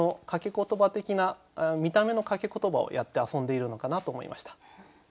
ことば的な見た目の掛けことばをやって遊んでいるのかなと思いました。